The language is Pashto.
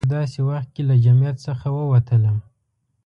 ما په داسې وخت کې له جمعیت څخه ووتلم.